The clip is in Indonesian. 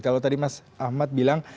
kalau tadi mas ahmad bilang